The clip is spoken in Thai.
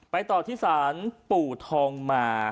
ไปต่อที่สารปู่ทองมา